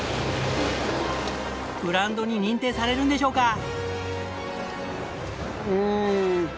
ブランドに認定されるんでしょうか？